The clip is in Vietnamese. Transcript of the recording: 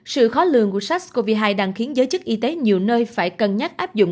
sự khó lường của sars cov hai đang khiến giới chức y tế nhiều nơi phải cân nhắc áp dụng